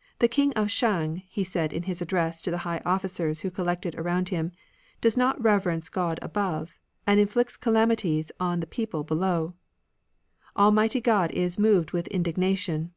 " The King of Shang,'* he said in his address to the high officers who collected around him, " does not reverence God above, and inflicts calamities on the people below. Almighty God is moved with indignation."